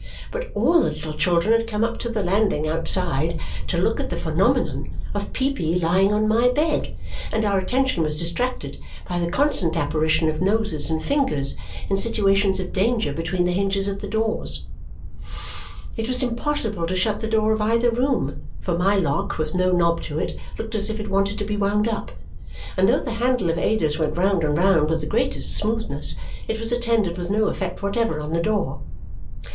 But all the little children had come up to the landing outside to look at the phenomenon of Peepy lying on my bed, and our attention was distracted by the constant apparition of noses and fingers in situations of danger between the hinges of the doors. It was impossible to shut the door of either room, for my lock, with no knob to it, looked as if it wanted to be wound up; and though the handle of Ada's went round and round with the greatest smoothness, it was attended with no effect whatever on the door.